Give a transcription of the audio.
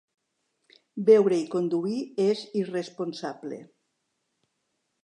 Beure i conduir és irresponsable.